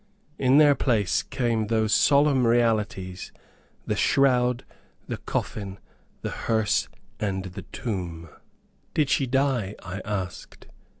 In their place came those solemn realities, the shroud, the coffin, the hearse and the tomb." "Did she die?" I asked.